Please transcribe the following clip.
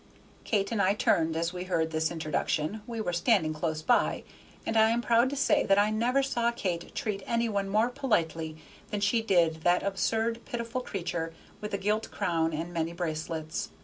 Kate and I turned as we heard this introduction; we were standing close by, and I am proud to say that I never saw Kate treat any one more politely than she did that absurd, pitiful creature with the gilt crown and many bracelets.